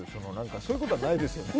そういうことはないですよね？